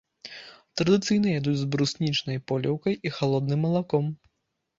Традыцыйна ядуць з бруснічнай поліўкай і халодным малаком.